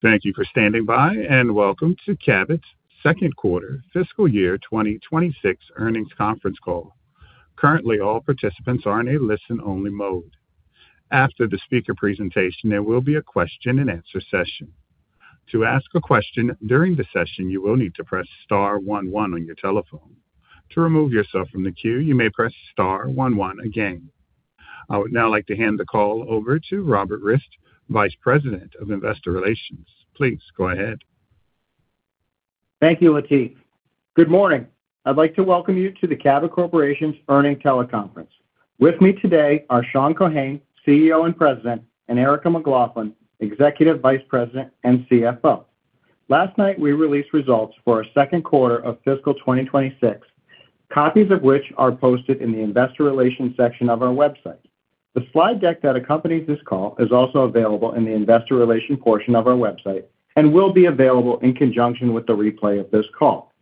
Thank you for standing by, and welcome to Cabot's second quarter fiscal year 2026 earnings conference call. Currently, all participants are in a listen-only mode. After the speaker presentation, there will be a question-and-answer session. To ask a question during the session, you will need to press star one one on your telephone. To remove yourself from the queue, you may press star one one again. I would now like to hand the call over to Robert Rist, Vice President of Investor Relations. Please go ahead. Thank you, Lateef. Good morning. I'd like to welcome you to the Cabot Corporation's earnings teleconference. With me today are Sean Keohane, CEO and President, and Erica McLaughlin, Executive Vice President and CFO. Last night, we released results for our second quarter of fiscal 2026, copies of which are posted in the investor relations section of our website. The slide deck that accompanies this call is also available in the investor relations portion of our website and will be available in conjunction with the replay of this call.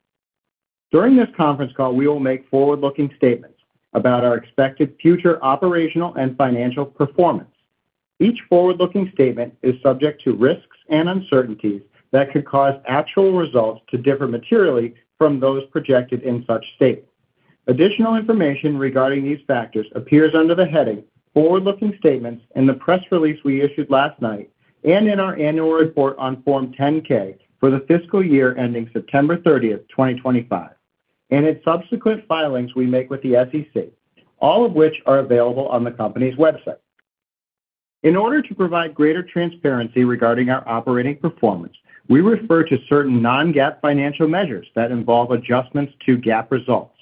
During this conference call, we will make forward-looking statements about our expected future operational and financial performance. Each forward-looking statement is subject to risks and uncertainties that could cause actual results to differ materially from those projected in such statements. Additional information regarding these factors appears under the heading Forward-Looking Statements in the press release we issued last night and in our annual report on Form 10-K for the fiscal year ending September 30, 2025, and in subsequent filings we make with the SEC, all of which are available on the company's website. In order to provide greater transparency regarding our operating performance, we refer to certain non-GAAP financial measures that involve adjustments to GAAP results.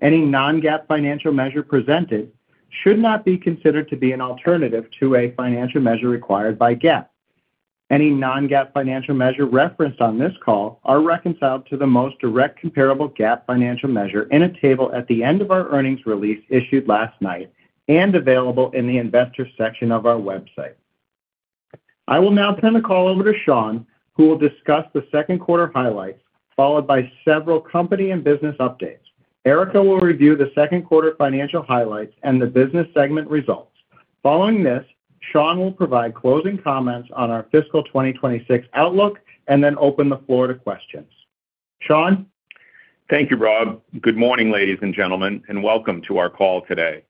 Any non-GAAP financial measure presented should not be considered to be an alternative to a financial measure required by GAAP. Any non-GAAP financial measure referenced on this call are reconciled to the most direct comparable GAAP financial measure in a table at the end of our earnings release issued last night and available in the investors section of our website. I will now turn the call over to Sean, who will discuss the second quarter highlights, followed by several company and business updates. Erica will review the second quarter financial highlights and the business segment results. Following this, Sean will provide closing comments on our fiscal 2026 outlook and then open the floor to questions. Sean? Thank you, Rob. Good morning, ladies and gentlemen, and welcome to our call today.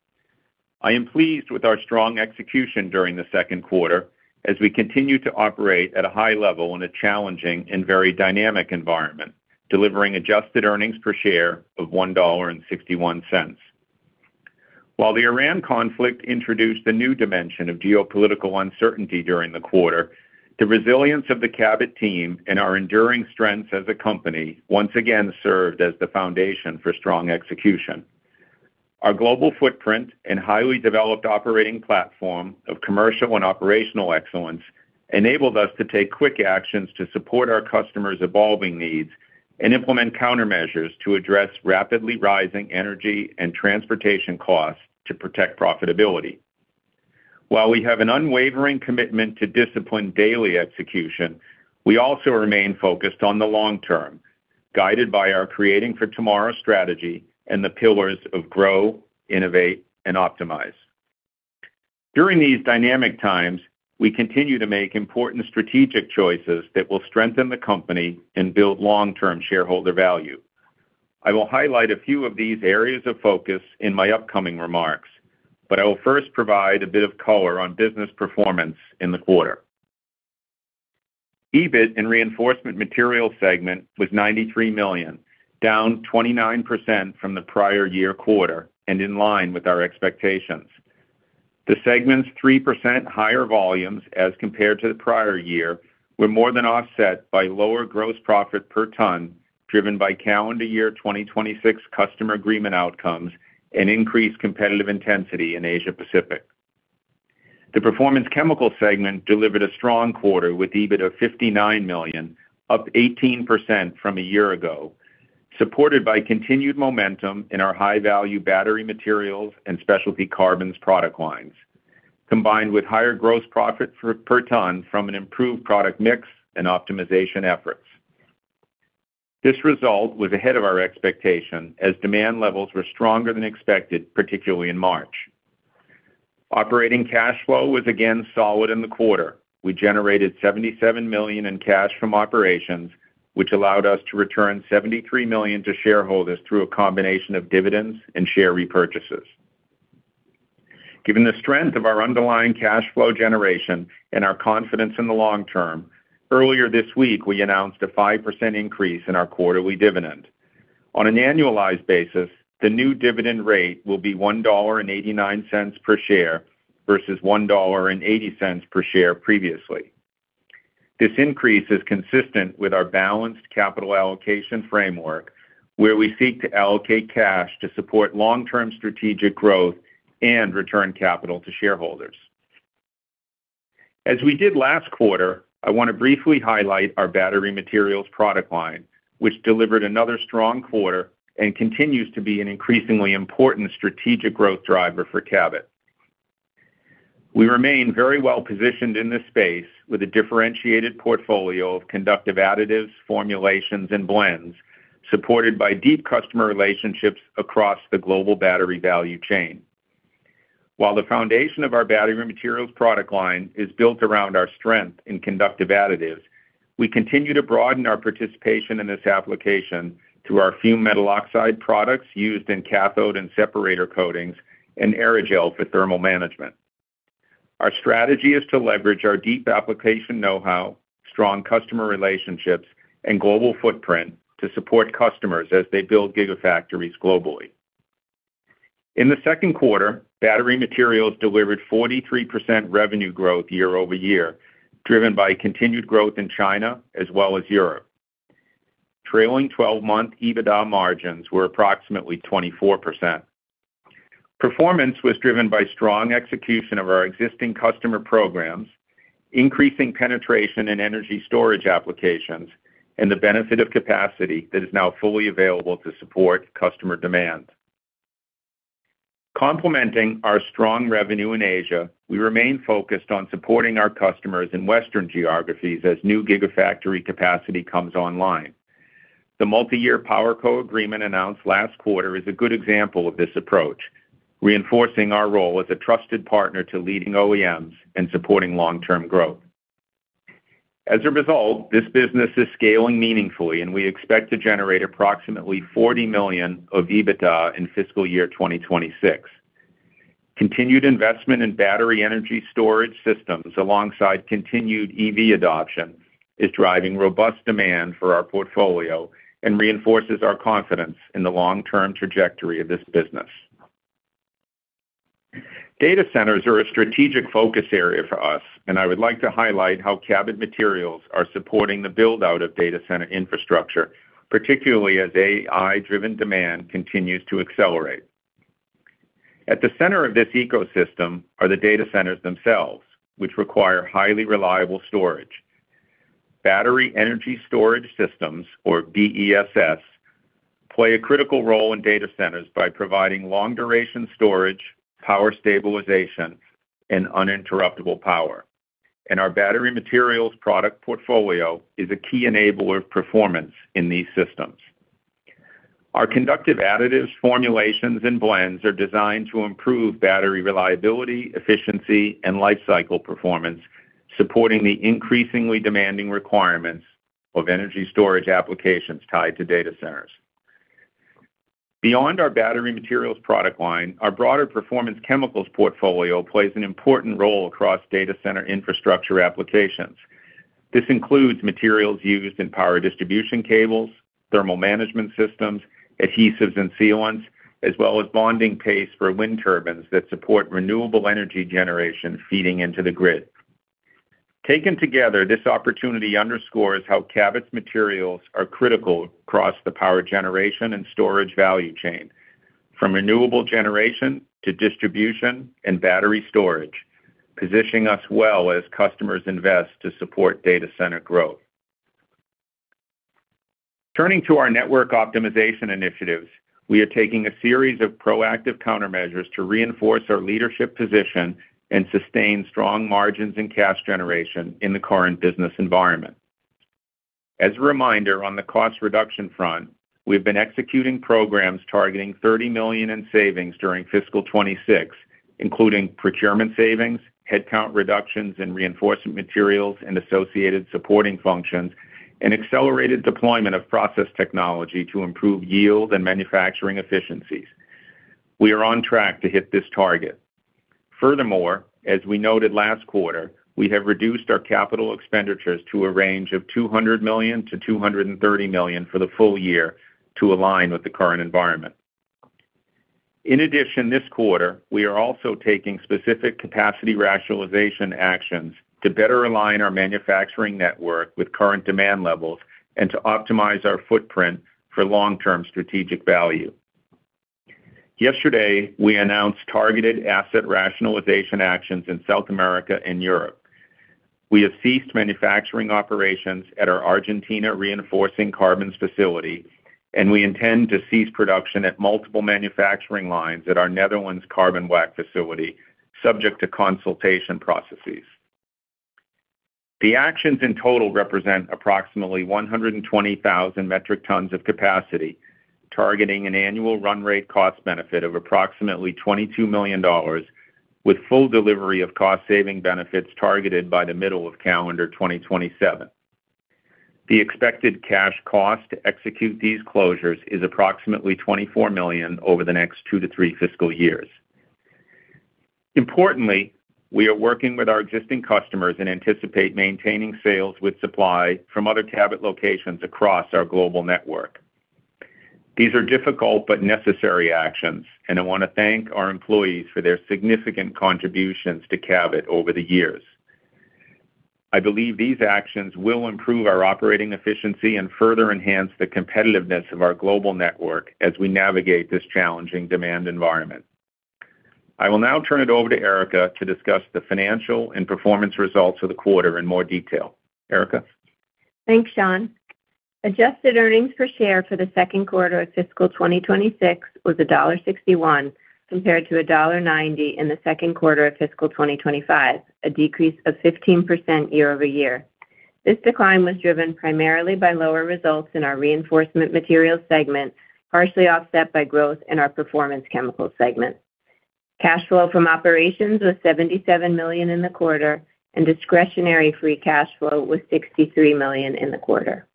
I am pleased with our strong execution during the second quarter as we continue to operate at a high level in a challenging and very dynamic environment, delivering Adjusted earnings per share of $1.61. While the Iran conflict introduced a new dimension of geopolitical uncertainty during the quarter, the resilience of the Cabot team and our enduring strengths as a company once again served as the foundation for strong execution. Our global footprint and highly developed operating platform of commercial and operational excellence enabled us to take quick actions to support our customers' evolving needs and implement countermeasures to address rapidly rising energy and transportation costs to protect profitability. While we have an unwavering commitment to disciplined daily execution, we also remain focused on the long term, guided by our Creating for Tomorrow strategy and the pillars of grow, innovate, and optimize. During these dynamic times, we continue to make important strategic choices that will strengthen the company and build long-term shareholder value. I will highlight a few of these areas of focus in my upcoming remarks, but I will first provide a bit of color on business performance in the quarter. EBIT in Reinforcement Materials segment was $93 million, down 29% from the prior year quarter and in line with our expectations. The segment's 3% higher volumes as compared to the prior year were more than offset by lower gross profit per ton, driven by calendar year 2026 customer agreement outcomes and increased competitive intensity in Asia Pacific. The Performance Chemicals segment delivered a strong quarter with EBIT of $59 million, up 18% from a year ago, supported by continued momentum in our high-value battery materials and specialty carbons product lines, combined with higher gross profit per ton from an improved product mix and optimization efforts. This result was ahead of our expectation as demand levels were stronger than expected, particularly in March. Operating cash flow was again solid in the quarter. We generated $77 million in cash from operations, which allowed us to return $73 million to shareholders through a combination of dividends and share repurchases. Given the strength of our underlying cash flow generation and our confidence in the long term, earlier this week we announced a 5% increase in our quarterly dividend. On an annualized basis, the new dividend rate will be $1.89 per share versus $1.80 per share previously. This increase is consistent with our balanced capital allocation framework, where we seek to allocate cash to support long-term strategic growth and return capital to shareholders. As we did last quarter, I want to briefly highlight our battery materials product line, which delivered another strong quarter and continues to be an increasingly important strategic growth driver for Cabot. We remain very well-positioned in this space with a differentiated portfolio of conductive additives, formulations, and blends supported by deep customer relationships across the global battery value chain. While the foundation of our battery materials product line is built around our strength in conductive additives, we continue to broaden our participation in this application through our fumed metal oxide products used in cathode and separator coatings and aerogel for thermal management. Our strategy is to leverage our deep application know-how, strong customer relationships, and global footprint to support customers as they build gigafactories globally. In the second quarter, battery materials delivered 43% revenue growth year-over-year, driven by continued growth in China as well as Europe. Trailing 12-month EBITDA margins were approximately 24%. Performance was driven by strong execution of our existing customer programs, increasing penetration in energy storage applications, and the benefit of capacity that is now fully available to support customer demand. Complementing our strong revenue in Asia, we remain focused on supporting our customers in Western geographies as new gigafactory capacity comes online. The multi-year PowerCo agreement announced last quarter is a good example of this approach, reinforcing our role as a trusted partner to leading OEMs and supporting long-term growth. As a result, this business is scaling meaningfully, and we expect to generate approximately $40 million of EBITDA in fiscal year 2026. Continued investment in battery energy storage systems alongside continued EV adoption is driving robust demand for our portfolio and reinforces our confidence in the long-term trajectory of this business. Data centers are a strategic focus area for us. I would like to highlight how Cabot materials are supporting the build-out of data center infrastructure, particularly as AI-driven demand continues to accelerate. At the center of this ecosystem are the data centers themselves, which require highly reliable storage. Battery energy storage systems, or BESS, play a critical role in data centers by providing long-duration storage, power stabilization, and uninterruptible power. Our battery materials product portfolio is a key enabler of performance in these systems. Our conductive additives, formulations, and blends are designed to improve battery reliability, efficiency, and lifecycle performance, supporting the increasingly demanding requirements of energy storage applications tied to data centers. Beyond our battery materials product line, our broader Performance Chemicals portfolio plays an important role across data center infrastructure applications. This includes materials used in power distribution cables, thermal management systems, adhesives and sealants, as well as bonding paste for wind turbines that support renewable energy generation feeding into the grid. Taken together, this opportunity underscores how Cabot's materials are critical across the power generation and storage value chain, from renewable generation to distribution and battery storage, positioning us well as customers invest to support data center growth. Turning to our network optimization initiatives, we are taking a series of proactive countermeasures to reinforce our leadership position and sustain strong margins and cash generation in the current business environment. As a reminder, on the cost reduction front, we've been executing programs targeting $30 million in savings during fiscal 2026, including procurement savings, headcount reductions in Reinforcement Materials and associated supporting functions, and accelerated deployment of process technology to improve yield and manufacturing efficiencies. We are on track to hit this target. Furthermore, as we noted last quarter, we have reduced our capital expenditures to a range of $200 million-$230 million for the full year to align with the current environment. In addition, this quarter, we are also taking specific capacity rationalization actions to better align our manufacturing network with current demand levels and to optimize our footprint for long-term strategic value. Yesterday, we announced targeted asset rationalization actions in South America and Europe. We have ceased manufacturing operations at our Argentina reinforcing carbons facility, and we intend to cease production at multiple manufacturing lines at our Netherlands carbon black facility, subject to consultation processes. The actions in total represent approximately 120,000 metric tons of capacity, targeting an annual run rate cost benefit of approximately $22 million with full delivery of cost-saving benefits targeted by the middle of calendar 2027. The expected cash cost to execute these closures is approximately $24 million over the next two to three fiscal years. Importantly, we are working with our existing customers and anticipate maintaining sales with supply from other Cabot locations across our global network. These are difficult but necessary actions, and I wanna thank our employees for their significant contributions to Cabot over the years. I believe these actions will improve our operating efficiency and further enhance the competitiveness of our global network as we navigate this challenging demand environment. I will now turn it over to Erica to discuss the financial and performance results for the quarter in more detail. Erica? Thanks, Sean. Adjusted earnings per share for the second quarter of fiscal 2026 was $1.61 compared to $1.90 in the second quarter of fiscal 2025, a decrease of 15% year-over-year. This decline was driven primarily by lower results in our Reinforcement Materials segment, partially offset by growth in our Performance Chemicals segment. Cash flow from operations was $77 million in the quarter, and discretionary free cash flow was $63 million in the quarter.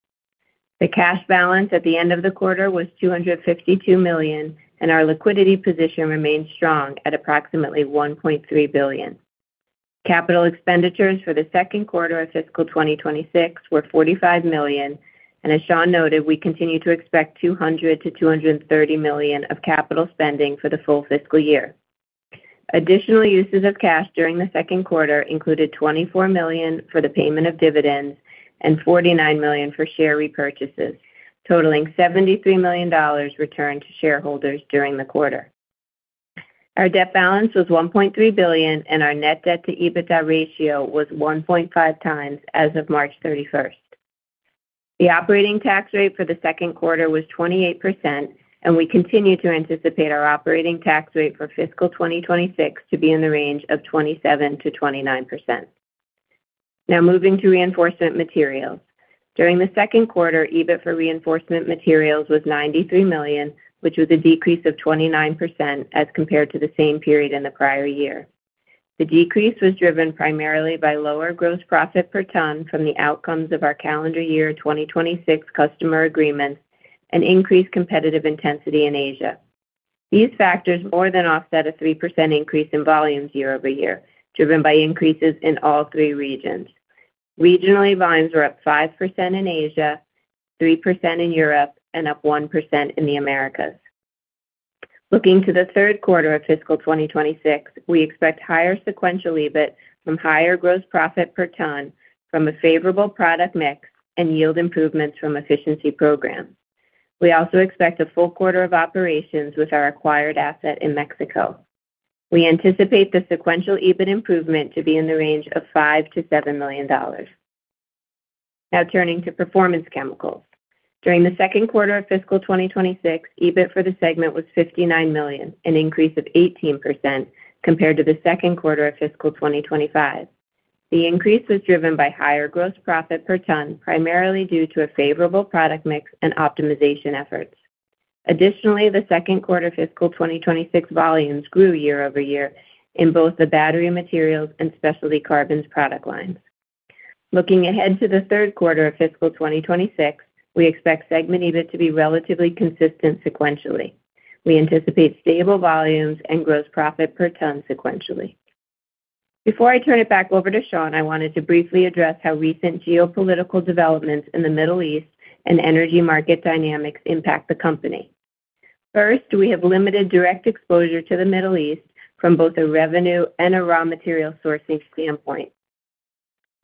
The cash balance at the end of the quarter was $252 million, and our liquidity position remains strong at approximately $1.3 billion. Capital expenditures for the second quarter of fiscal 2026 were $45 million, and as Sean noted, we continue to expect $200 million-$230 million of capital spending for the full fiscal year. Additional uses of cash during the second quarter included $24 million for the payment of dividends and $49 million for share repurchases, totaling $73 million returned to shareholders during the quarter. Our debt balance was $1.3 billion, and our net debt to EBITDA ratio was 1.5x as of March 31st. The operating tax rate for the second quarter was 28%, and we continue to anticipate our operating tax rate for fiscal 2026 to be in the range of 27%-29%. Now moving to Reinforcement Materials. During the second quarter, EBIT for Reinforcement Materials was $93 million, which was a decrease of 29% as compared to the same period in the prior year. The decrease was driven primarily by lower gross profit per ton from the outcomes of our calendar year 2026 customer agreements and increased competitive intensity in Asia. These factors more than offset a 3% increase in volumes year-over-year, driven by increases in all three regions. Regionally, volumes were up 5% in Asia, 3% in Europe, and up 1% in the Americas. Looking to the third quarter of fiscal 2026, we expect higher sequential EBIT from higher gross profit per ton from a favorable product mix and yield improvements from efficiency programs. We also expect a full quarter of operations with our acquired asset in Mexico. We anticipate the sequential EBIT improvement to be in the range of $5 million-$7 million. Now turning to Performance Chemicals. During the second quarter of fiscal 2026, EBIT for the segment was $59 million, an increase of 18% compared to the second quarter of fiscal 2025. The increase was driven by higher gross profit per ton, primarily due to a favorable product mix and optimization efforts. The second quarter fiscal 2026 volumes grew year-over-year in both the battery materials and specialty carbons product lines. Looking ahead to the third quarter of fiscal 2026, we expect segment EBIT to be relatively consistent sequentially. We anticipate stable volumes and gross profit per ton sequentially. Before I turn it back over to Sean, I wanted to briefly address how recent geopolitical developments in the Middle East and energy market dynamics impact the company. We have limited direct exposure to the Middle East from both a revenue and a raw material sourcing standpoint.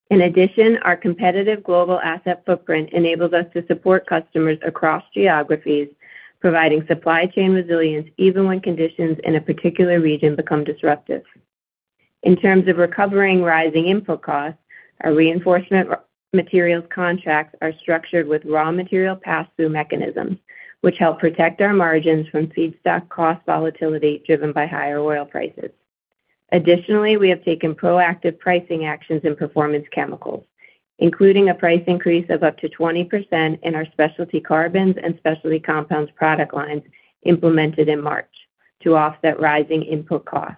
In addition, our competitive global asset footprint enables us to support customers across geographies, providing supply chain resilience even when conditions in a particular region become disruptive. In terms of recovering rising input costs, our Reinforcement Materials contracts are structured with raw material pass-through mechanisms, which help protect our margins from feedstock cost volatility driven by higher oil prices. Additionally, we have taken proactive pricing actions in Performance Chemicals, including a price increase of up to 20% in our specialty carbons and specialty compounds product lines implemented in March to offset rising input costs.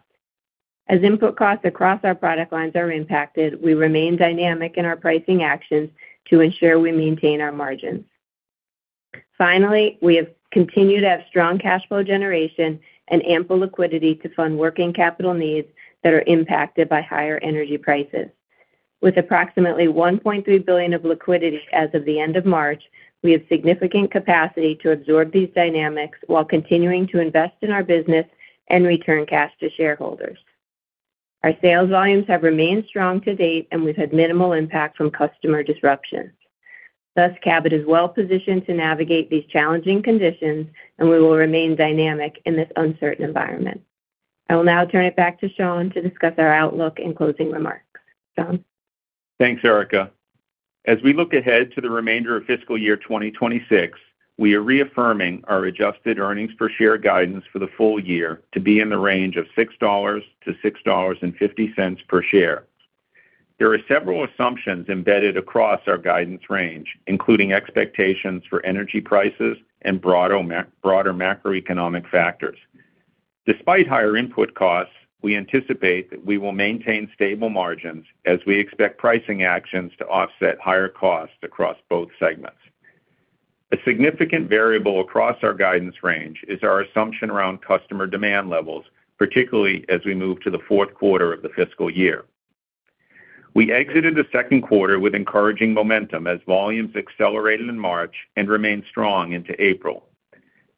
As input costs across our product lines are impacted, we remain dynamic in our pricing actions to ensure we maintain our margins. Finally, we have continued to have strong cash flow generation and ample liquidity to fund working capital needs that are impacted by higher energy prices. With approximately $1.3 billion of liquidity as of the end of March, we have significant capacity to absorb these dynamics while continuing to invest in our business and return cash to shareholders. Our sales volumes have remained strong to date, and we've had minimal impact from customer disruptions. Thus, Cabot is well positioned to navigate these challenging conditions, and we will remain dynamic in this uncertain environment. I will now turn it back to Sean to discuss our outlook and closing remarks. Sean? Thanks, Erica. As we look ahead to the remainder of fiscal year 2026, we are reaffirming our Adjusted earnings per share guidance for the full year to be in the range of $6.00 to $6.50 per share. There are several assumptions embedded across our guidance range, including expectations for energy prices and broader macroeconomic factors. Despite higher input costs, we anticipate that we will maintain stable margins as we expect pricing actions to offset higher costs across both segments. A significant variable across our guidance range is our assumption around customer demand levels, particularly as we move to the fourth quarter of the fiscal year. We exited the second quarter with encouraging momentum as volumes accelerated in March and remained strong into April.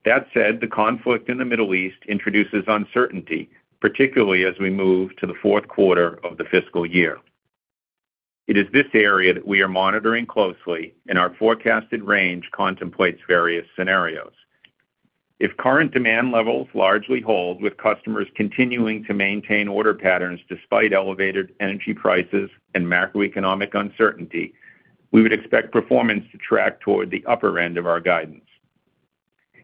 That said, the conflict in the Middle East introduces uncertainty, particularly as we move to the fourth quarter of the fiscal year. It is this area that we are monitoring closely, and our forecasted range contemplates various scenarios. If current demand levels largely hold with customers continuing to maintain order patterns despite elevated energy prices and macroeconomic uncertainty, we would expect performance to track toward the upper end of our guidance.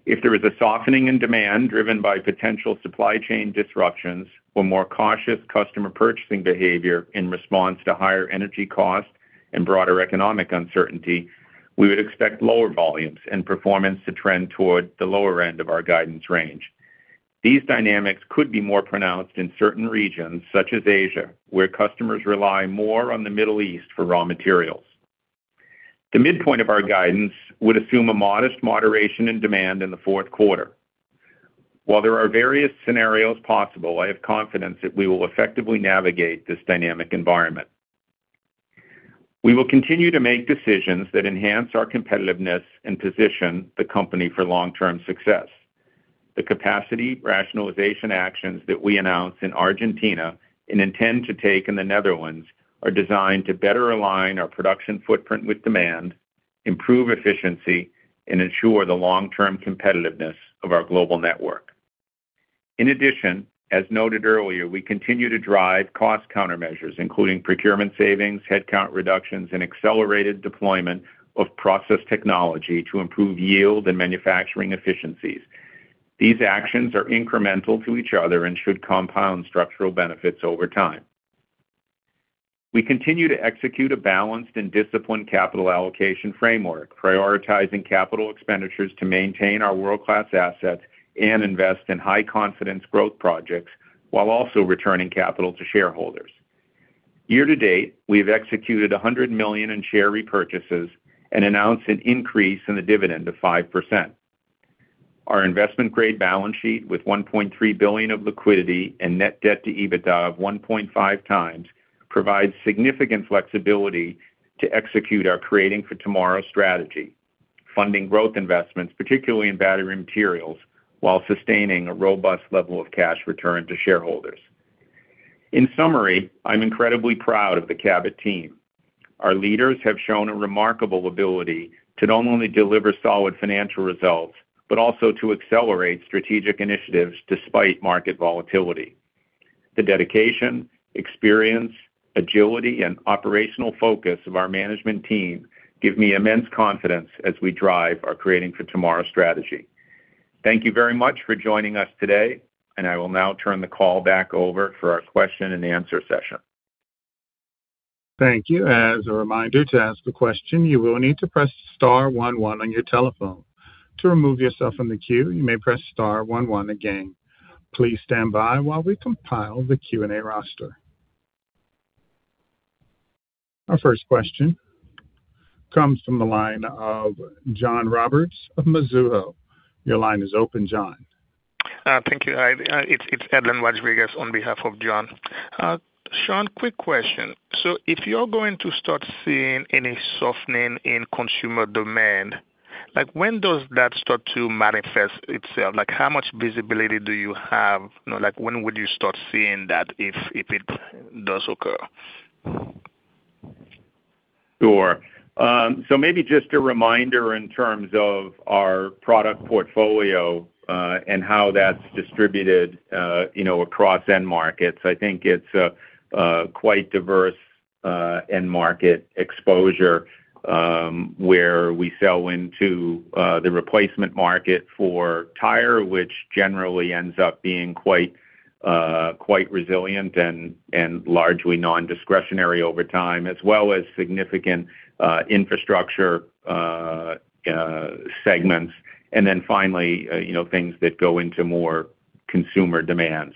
If there is a softening in demand driven by potential supply chain disruptions or more cautious customer purchasing behavior in response to higher energy costs and broader economic uncertainty, we would expect lower volumes and performance to trend toward the lower end of our guidance range. These dynamics could be more pronounced in certain regions, such as Asia, where customers rely more on the Middle East for raw materials. The midpoint of our guidance would assume a modest moderation in demand in the fourth quarter. While there are various scenarios possible, I have confidence that we will effectively navigate this dynamic environment. We will continue to make decisions that enhance our competitiveness and position the company for long-term success. The capacity rationalization actions that we announced in Argentina and intend to take in the Netherlands are designed to better align our production footprint with demand, improve efficiency, and ensure the long-term competitiveness of our global network. In addition, as noted earlier, we continue to drive cost countermeasures, including procurement savings, headcount reductions, and accelerated deployment of process technology to improve yield and manufacturing efficiencies. These actions are incremental to each other and should compound structural benefits over time. We continue to execute a balanced and disciplined capital allocation framework, prioritizing capital expenditures to maintain our world-class assets and invest in high-confidence growth projects while also returning capital to shareholders. Year to date, we have executed $100 million in share repurchases and announced an increase in the dividend to 5%. Our investment-grade balance sheet with $1.3 billion of liquidity and Net debt to EBITDA of 1.5x provides significant flexibility to execute our Creating for Tomorrow strategy, funding growth investments, particularly in battery materials, while sustaining a robust level of cash return to shareholders. In summary, I'm incredibly proud of the Cabot team. Our leaders have shown a remarkable ability to not only deliver solid financial results, but also to accelerate strategic initiatives despite market volatility. The dedication, experience, agility, and operational focus of our management team give me immense confidence as we drive our Creating for Tomorrow strategy. Thank you very much for joining us today, and I will now turn the call back over for our question and answer session. Thank you. As a reminder, to ask a question, you will need to press star one one on your telephone. To remove yourself from the queue, you may press star one one again. Please stand by while we compile the Q&A roster. Our first question comes from the line of John Roberts of Mizuho. Your line is open, John. Thank you. It's Edlain Rodriguez on behalf of John. Sean, quick question. If you're going to start seeing any softening in consumer demand, like, when does that start to manifest itself? Like, how much visibility do you have? You know, like, when would you start seeing that if it does occur? Sure. Maybe just a reminder in terms of our product portfolio and how that's distributed, you know, across end markets. I think it's a quite diverse end market exposure where we sell into the replacement market for tire, which generally ends up being quite resilient and largely nondiscretionary over time, as well as significant infrastructure segments. Finally, you know, things that go into more consumer demand.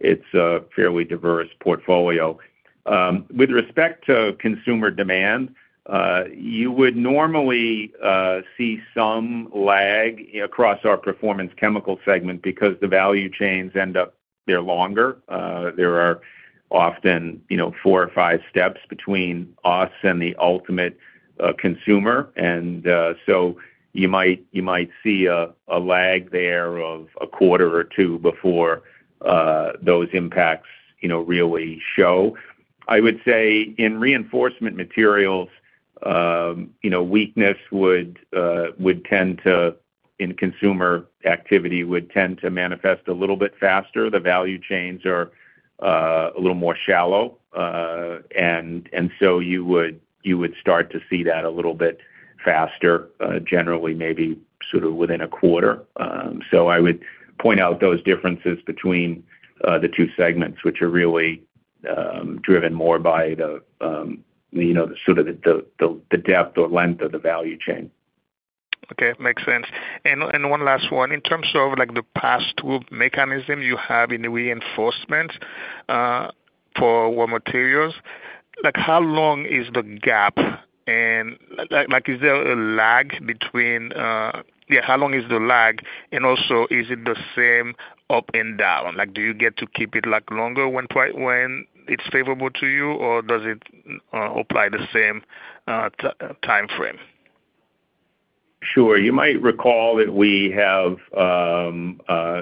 It's a fairly diverse portfolio. With respect to consumer demand, you would normally see some lag across our Performance Chemicals segment because the value chains they're longer. There are often, you know, four or five steps between us and the ultimate consumer. You might, you might see a lag there of a quarter or two before those impacts, you know, really show. I would say in Reinforcement Materials, you know, weakness would tend to in consumer activity would tend to manifest a little bit faster. The value chains are a little more shallow. You would, you would start to see that a little bit faster, generally maybe sort of within a quarter. I would point out those differences between the two segments, which are really driven more by the, you know, the sort of the, the depth or length of the value chain. Okay. Makes sense. One last one. In terms of, like, the pass-through mechanism you have in the reinforcement for raw materials, like, how long is the lag, and also, is it the same up and down? Like, do you get to keep it, like, longer when it's favorable to you, or does it apply the same timeframe? Sure. You might recall that we have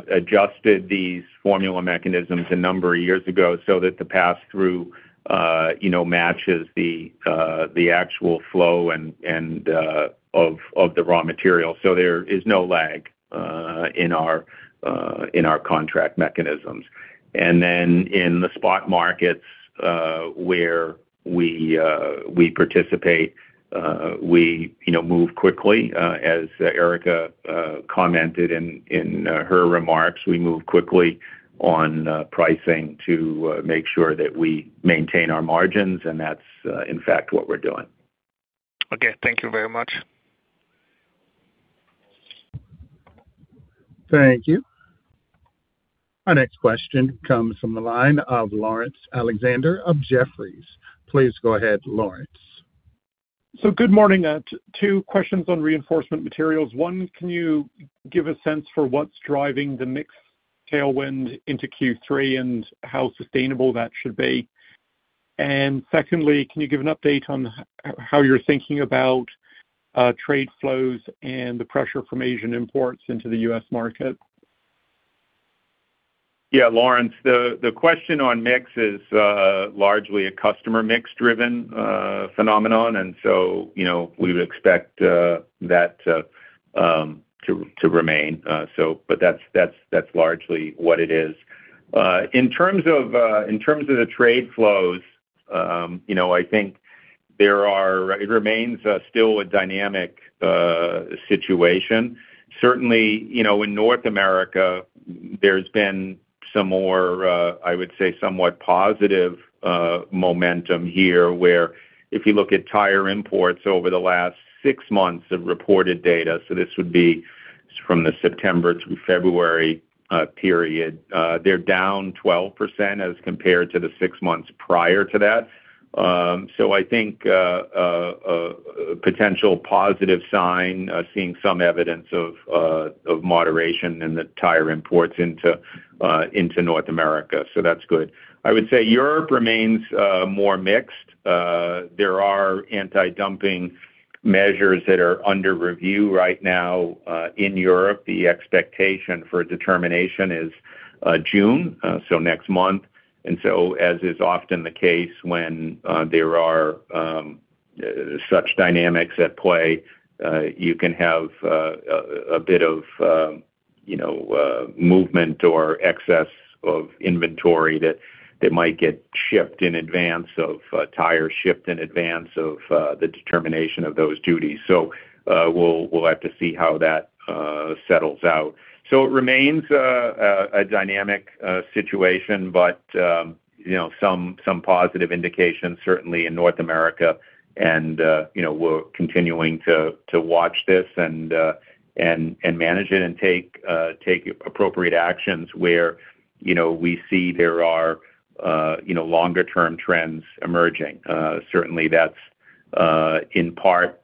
adjusted these formula mechanisms a number of years ago so that the pass-through, you know, matches the actual flow and of the raw material, so there is no lag in our in our contract mechanisms. Then in the spot markets, where we participate, we, you know, move quickly. As Erica commented in her remarks, we move quickly on pricing to make sure that we maintain our margins, and that's in fact what we're doing. Okay. Thank you very much. Thank you. Our next question comes from the line of Laurence Alexander of Jefferies. Please go ahead, Laurence. Good morning. Two questions on Reinforcement Materials. One, can you give a sense for what's driving the mix tailwind into Q3 and how sustainable that should be? Secondly, can you give an update on how you're thinking about trade flows and the pressure from Asian imports into the U.S. market? Yeah, Laurence, the question on mix is largely a customer mix-driven phenomenon. You know, we would expect that to remain. That's largely what it is. In terms of in terms of the trade flows, you know, I think it remains still a dynamic situation. Certainly, you know, in North America there's been some more, I would say, somewhat positive momentum here, where if you look at tire imports over the last six months of reported data, so this would be from the September to February period, they're down 12% as compared to the six months prior to that. I think a potential positive sign, seeing some evidence of moderation in the tire imports into North America. That's good. I would say Europe remains more mixed. There are anti-dumping measures that are under review right now in Europe. The expectation for determination is June, so next month. As is often the case when there are such dynamics at play, you can have a bit of, you know, movement or excess of inventory that might get shipped in advance of tires shipped in advance of the determination of those duties. We'll have to see how that settles out. It remains a dynamic situation, but, you know, some positive indications, certainly in North America. You know, we're continuing to watch this and manage it and take appropriate actions where, you know, we see there are, you know, longer term trends emerging. Certainly that's, in part,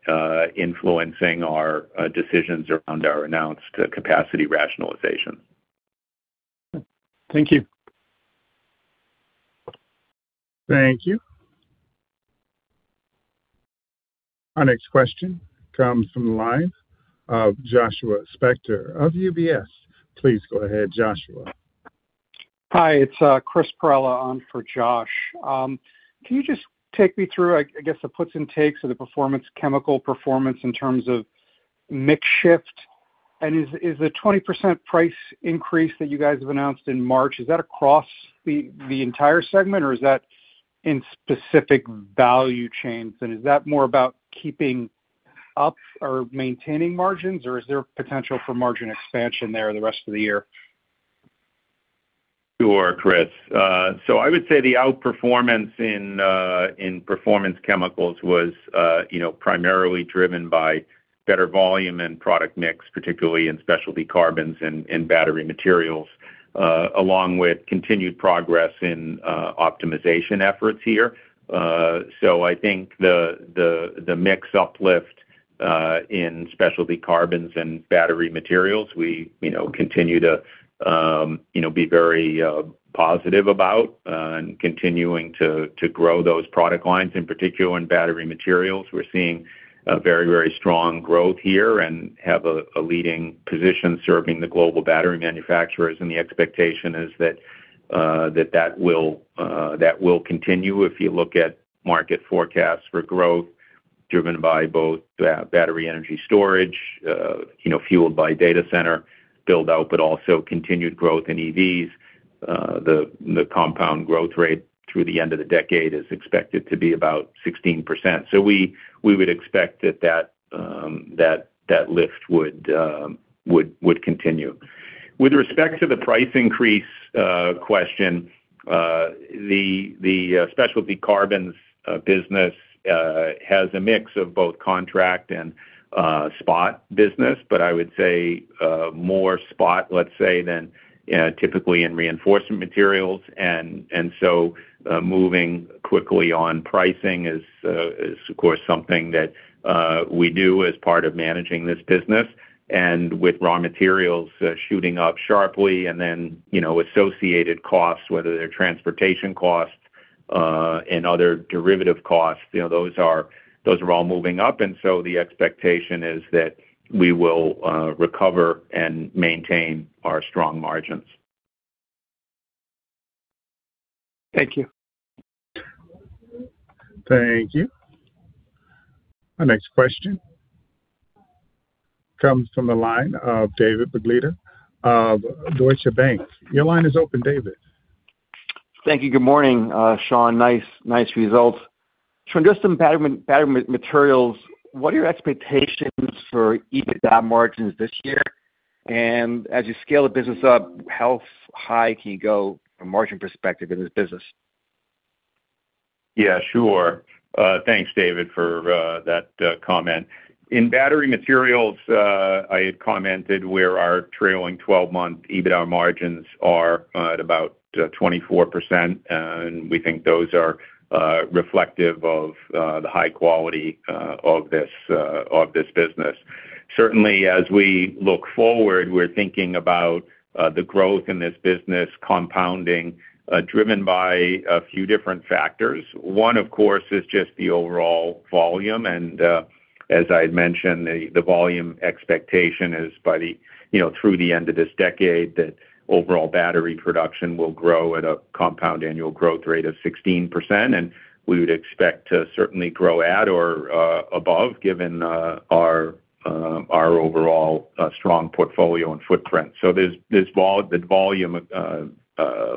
influencing our decisions around our announced capacity rationalization. Thank you. Thank you. Our next question comes from the line of Joshua Spector of UBS. Please go ahead, Joshua. Hi, it's Chris Perrella on for Joshua Spector. Can you just take me through, I guess, the puts and takes of the Performance Chemicals performance in terms of mix shift? Is the 20% price increase that you guys have announced in March, is that across the entire segment or is that in specific value chains? Is that more about keeping up or maintaining margins or is there potential for margin expansion there the rest of the year? Sure, Chris. I would say the outperformance in Performance Chemicals was, you know, primarily driven by better volume and product mix, particularly in specialty carbons and battery materials, along with continued progress in optimization efforts here. I think the mix uplift in specialty carbons and battery materials, we, you know, continue to, you know, be very positive about and continuing to grow those product lines. In particular in battery materials, we're seeing a very strong growth here and have a leading position serving the global battery manufacturers. The expectation is that that will continue. If you look at market forecasts for growth driven by both battery energy storage, you know, fueled by data center build-out, but also continued growth in EVs, the compound growth rate through the end of the decade is expected to be about 16%. We would expect that that lift would continue. With respect to the price increase question, the Specialty Carbons business has a mix of both contract and spot business, but I would say more spot, let's say, than typically in Reinforcement Materials. Moving quickly on pricing is of course something that we do as part of managing this business. With raw materials shooting up sharply and then, you know, associated costs, whether they're transportation costs, and other derivative costs, you know, those are all moving up. The expectation is that we will recover and maintain our strong margins. Thank you. Thank you. Our next question comes from the line of David Begleiter of Deutsche Bank. Your line is open, David. Thank you. Good morning, Sean. Nice results. Sean, just some battery materials, what are your expectations for EBITDA margins this year? As you scale the business up, how high can you go from a margin perspective in this business? Yeah, sure. Thanks, David, for that comment. In battery materials, I had commented where our trailing 12-month EBITDA margins are at about 24%. We think those are reflective of the high quality of this business. Certainly, as we look forward, we're thinking about the growth in this business compounding, driven by a few different factors. One, of course, is just the overall volume. As I had mentioned, the volume expectation is by the, you know, through the end of this decade, that overall battery production will grow at a compound annual growth rate of 16%. We would expect to certainly grow at or above, given our overall strong portfolio and footprint. There's the volume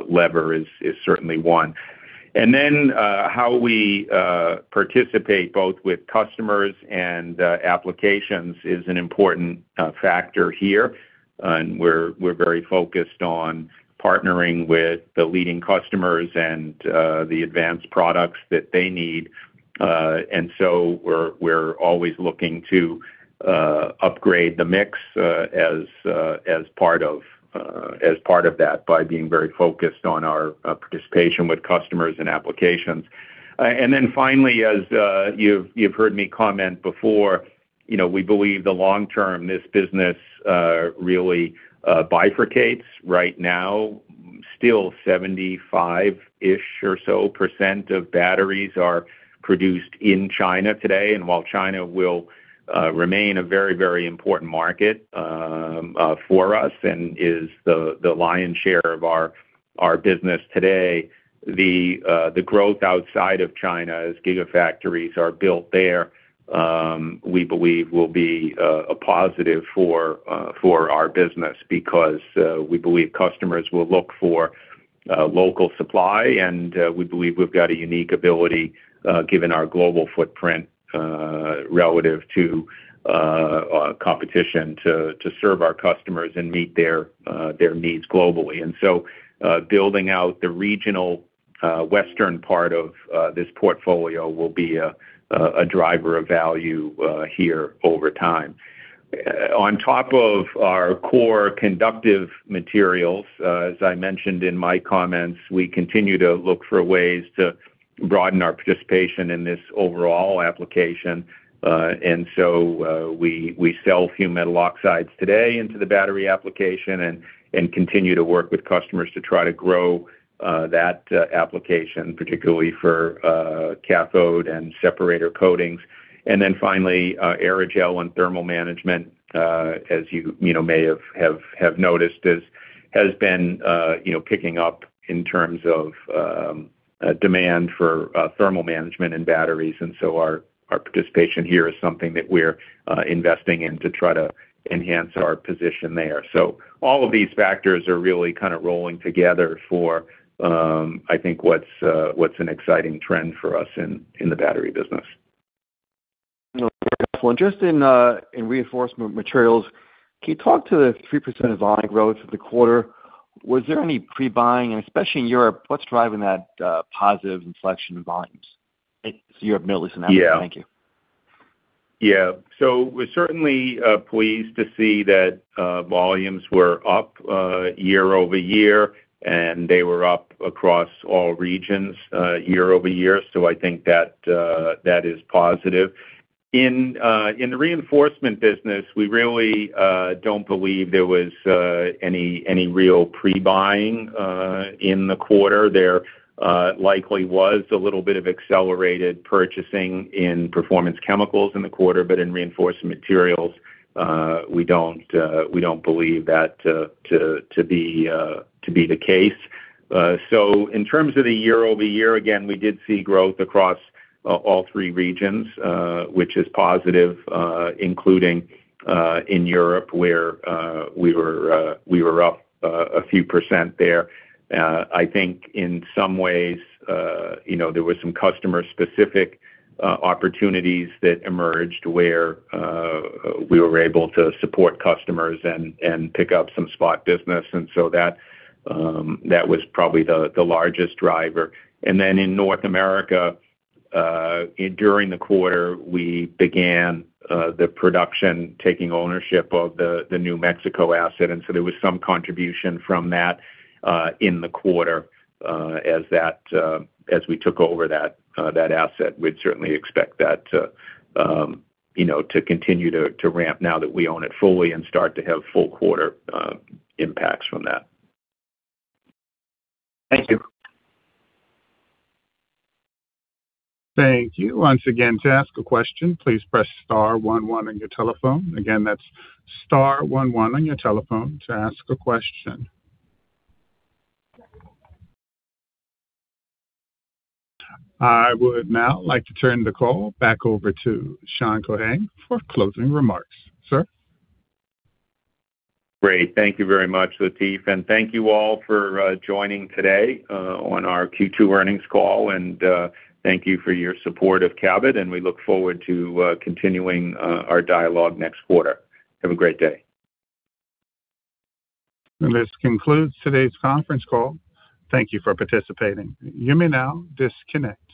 lever is certainly one. How we participate both with customers and applications is an important factor here. We're very focused on partnering with the leading customers and the advanced products that they need. We're always looking to upgrade the mix as part of that by being very focused on our participation with customers and applications. Finally, as you've heard me comment before, you know, we believe the long term, this business really bifurcates. Right now still 75-ish or so % of batteries are produced in China today. While China will remain a very, very important market for us and is the lion's share of our business today, the growth outside of China as gigafactories are built there, we believe will be a positive for our business. We believe customers will look for local supply, and we believe we've got a unique ability given our global footprint relative to competition to serve our customers and meet their needs globally. Building out the regional Western part of this portfolio will be a driver of value here over time. On top of our core conductive materials, as I mentioned in my comments, we continue to look for ways to broaden our participation in this overall application. We sell fumed metal oxides today into the battery application and continue to work with customers to try to grow that application, particularly for cathode and separator coatings. Finally, aerogel on thermal management, as you know, may have noticed, has been, you know, picking up in terms of demand for thermal management and batteries. Our participation here is something that we're investing in to try to enhance our position there. All of these factors are really kind of rolling together for, I think what's an exciting trend for us in the battery business. Just in Reinforcement Materials, can you talk to the 3% volume growth for the quarter? Was there any pre-buying? Especially in Europe, what's driving that positive inflection in volumes? You have more color on that one. Yeah. Thank you. We're certainly pleased to see that volumes were up year-over-year, and they were up across all regions year-over-year. I think that that is positive. In Reinforcement Materials, we really don't believe there was any real pre-buying in the quarter. There likely was a little bit of accelerated purchasing in Performance Chemicals in the quarter, but in Reinforcement Materials, we don't believe that to be the case. In terms of the year-over-year, again, we did see growth across all three regions, which is positive, including in Europe, where we were up a few percent there. I think in some ways, you know, there were some customer-specific opportunities that emerged where we were able to support customers and pick up some spot business. That was probably the largest driver. In North America, during the quarter, we began the production, taking ownership of the New Mexico asset. There was some contribution from that in the quarter, as we took over that asset. We'd certainly expect that to, you know, to continue to ramp now that we own it fully and start to have full quarter impacts from that. Thank you. Thank you. Once again, to ask a question, please press star one one on your telephone. Again, that's star one one on your telephone to ask a question. I would now like to turn the call back over to Sean Keohane for closing remarks. Sir. Great. Thank you very much, Latif. Thank you all for joining today on our Q2 earnings call. Thank you for your support of Cabot, and we look forward to continuing our dialogue next quarter. Have a great day. This concludes today's conference call. Thank you for participating. You may now disconnect.